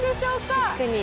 確かに。